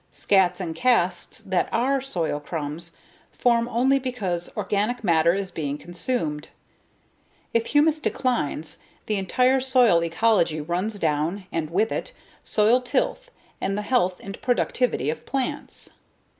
Scats and casts that are soil crumbs form only because organic matter is being consumed. If humus declines, the entire soil ecology runs down and with it, soil tilth and the health and productivity of plants.